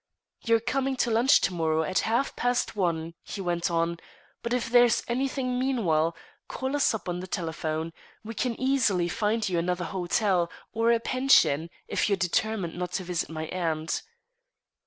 "You're coming to lunch to morrow at half past one," he went on, "but if there's anything meanwhile, call us up on the telephone. We can easily find you another hotel, or a pension, if you're determined not to visit my aunt."